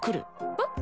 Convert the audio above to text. えっ？